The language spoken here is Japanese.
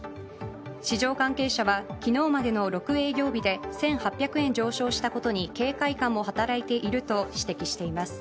市場関係者は昨日までの６営業日で１８００円上昇したことに警戒感も働いているとしています。